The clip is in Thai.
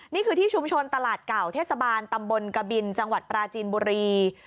นี่คือที่ชุมชนตลาดเก่าเทศบาลตำบลกบินจังหวัดปราจีนบุรี